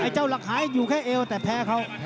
เจ้าแหลกหายแปลนเขา